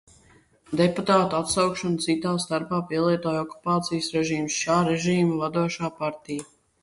Deputātu atsaukšanu, cita starpā, pielietoja okupācijas režīms, šā režīma vadošā partija.